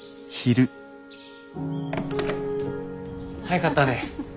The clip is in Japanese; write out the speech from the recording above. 早かったね。